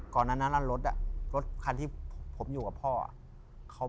ก่อนนั้นรถรถคันที่ผมอยู่กับพ่อ